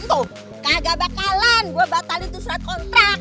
tuh kagak bakalan gua batalin tuh surat kontrak